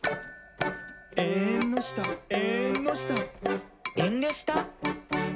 「えんのしたえんのした」「えんりょした？」